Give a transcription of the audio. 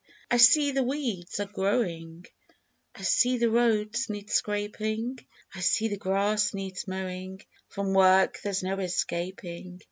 I see the weeds are growing, I see the roads need scraping, I see the grass needs mowing, From work there's no escaping.